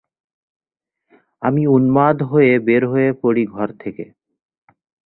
আমি উন্মাদ হয়ে বের হয়ে পড়ি ঘর থেকে।